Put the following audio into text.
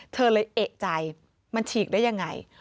เธอเลยเอ๊ะใจมันฉีกได้อย่างไร